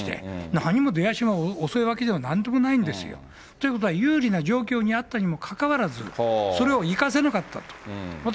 何も出足が遅いわけではなんともないんですよ。ということは有利の状況にあったにもかかわらず、それを生かせなかったと。